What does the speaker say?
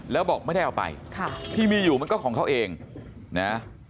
แล้วบอกไม่ได้เอาไปค่ะที่มีอยู่มันก็ของเขาเองนะ